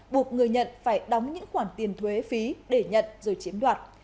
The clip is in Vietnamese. buộc người nhận phải đóng những khoản tiền thuế phí để nhận rồi chiếm đoạt